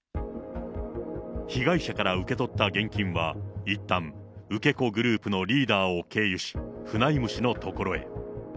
被害者から受け取った現金はいったん、受け子グループのリーダーを経由し、フナイム氏のところへ。